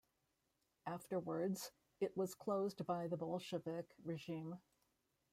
Afterwards, it was closed by the Bolshevik regime.